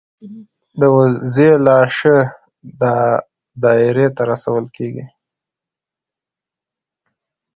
د وزې لاشه د دایرې ته رسول کیږي.